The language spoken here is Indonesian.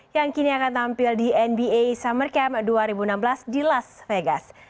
yang kini akan tampil di nba summer camp dua ribu enam belas di las vegas